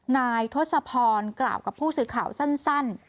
นายทศพรกล่าวกับผู้สื่อข่าวสั้น